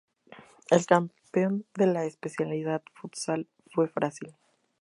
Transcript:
El campeón de la especialidad Futsal fue Brasil.